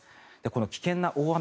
この危険な大雨